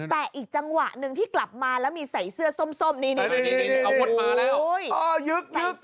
แต่อีกจังหวะหนึ่งที่กลับมาแล้วมีใส่เสื้อส้มนี่อาวุธมาแล้ว